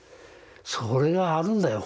それがあるんだよ。